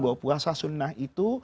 bahwa puasa sunnah itu